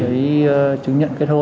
giấy chứng nhận kết hôn